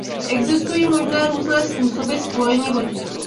Existují možné různé způsoby spojení vodičů.